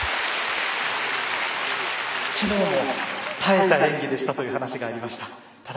昨日も耐えた演技でしたという話がありました。